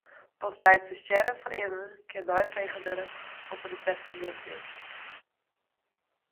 Pas by it ferstjerren fan immen kin neifrege wurde oft der in testamint is.